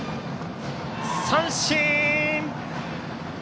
三振！